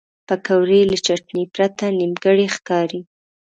پکورې له چټنې پرته نیمګړې ښکاري